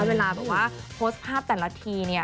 เวลาโพสต์ภาพแต่ละที